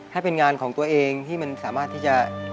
ให้เป็นงานของตัวเองที่มันสามารถที่จะ